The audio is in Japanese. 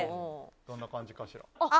どんな感じかしら。